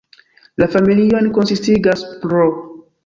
La familion konsistigas pr.